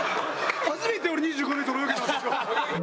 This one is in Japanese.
初めて俺２５メートル泳げたんですよ。